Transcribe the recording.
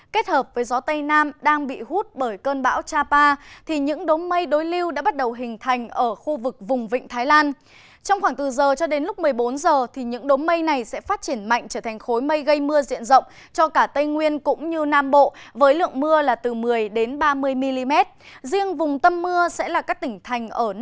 các bạn hãy đăng ký kênh để ủng hộ kênh của chúng mình nhé